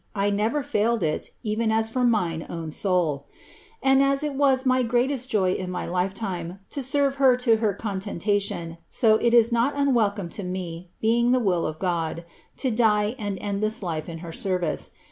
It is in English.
1 never failed it, even as for mine own »)ul. And as h vu my gieatesl joy in my lifetime lo ecive herlo hetconteniation, so ii is not imnd come to me, being the will of God, to die, and end this life in her serTice.